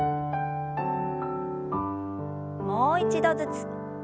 もう一度ずつ。